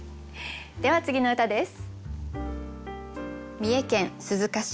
では次の歌です。